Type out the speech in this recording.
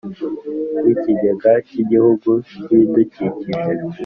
n Ikigega cy Igihugu cy Ibidukikije